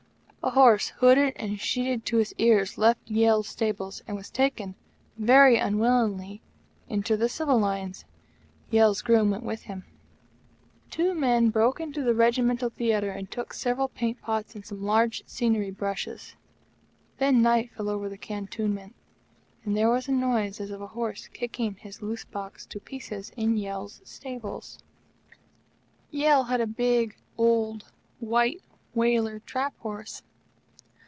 A horse, hooded and sheeted to his ears, left Yale's stables and was taken, very unwillingly, into the Civil Lines. Yale's groom went with him. Two men broke into the Regimental Theatre and took several paint pots and some large scenery brushes. Then night fell over the Cantonments, and there was a noise as of a horse kicking his loose box to pieces in Yale's stables. Yale had a big, old, white Waler trap horse.